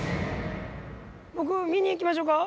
僕見に行きましょうか？